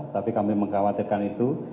tapi kami mengkhawatirkan itu